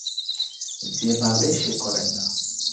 যে ভাবে, সে করে না।